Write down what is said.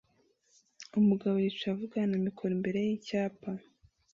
Umugabo yicaye avugana na mikoro imbere yicyapa